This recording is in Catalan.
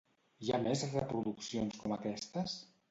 Hi ha més reproduccions com aquestes?